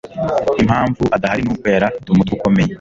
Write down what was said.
impamvu adahari ni uko yari afite umutwe ukomeye